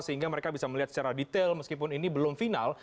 sehingga mereka bisa melihat secara detail meskipun ini belum final